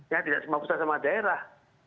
ya tidak semua pusat sama daerah